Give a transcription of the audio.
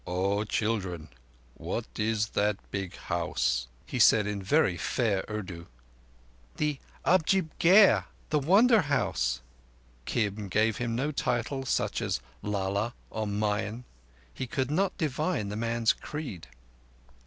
"O Children, what is that big house?" he said in very fair Urdu. "The Ajaib Gher, the Wonder House!" Kim gave him no title—such as Lala or Mian. He could not divine the man's creed.